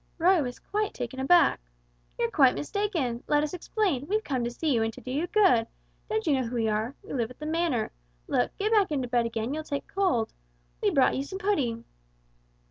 Roy was quite taken aback. "You're quite mistaken let us explain we've come to see you and do you good. Don't you know who we are? We live at the Manor. Look get back into bed again, you'll take cold. We've brought you some pudding."